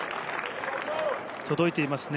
届いていますね。